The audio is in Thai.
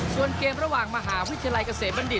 ส่วนเกมระหว่างมหาวิทยาลัยเกษมบัณฑิต